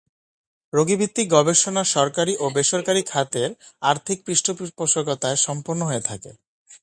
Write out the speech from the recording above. রোগীভিত্তিক গবেষণা সরকারী ও বেসরকারী খাতের আর্থিক পৃষ্ঠপোষকতায় সম্পন্ন হয়ে থাকে।